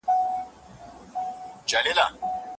د يوسفي ښکلا له هر نظره نور را اورې